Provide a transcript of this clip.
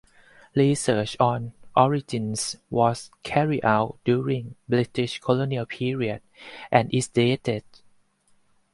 Research on origins was carried out during the British Colonial period and is dated.